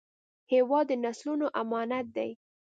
هېواد د نسلونو امانت دی.